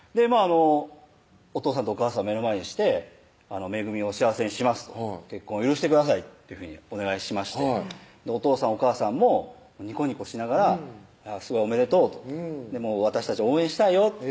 おとうさんとおかあさん目の前にして「恵を幸せにします」「結婚を許してください」というふうにお願いしましておとうさんおかあさんもニコニコしながら「おめでとう」と「私たち応援したいよ」